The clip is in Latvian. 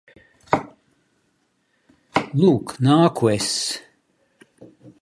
Lūk, nāku es!